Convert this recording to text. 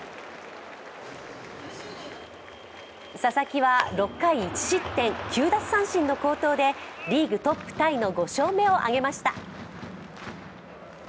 佐々木は６回１失点９奪三振の好投でリーグトップタイの５勝目をあげました。